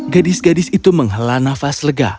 gadis gadis itu menghela nafas lega